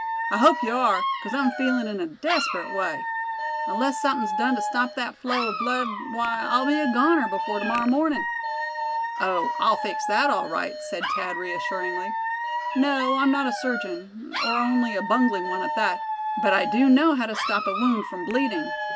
"I hope you are, because I'm feeling in a desperate way. Unless something's done to stop that flow of blood, why, I'll be a goner before to morrow morning." "Oh! I'll fix that, all right," said Thad, reassuringly. "No, I'm not a surgeon, or only a bungling one at that; but I do know how to stop a wound from bleeding.